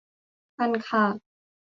คันคาก